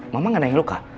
mama gak ada yang luka